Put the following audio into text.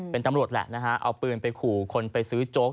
เป็นตำรวจแหละนะฮะเอาปืนไปขู่คนไปซื้อโจ๊ก